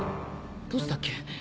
どうしたっけ？